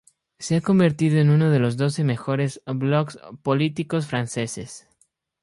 Se ha convirtió en uno de los doce mejores blogs políticos franceses.